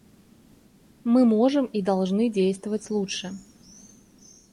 Мы можем и должны действовать лучше.